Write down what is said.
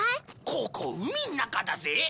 ここ海の中だぜ。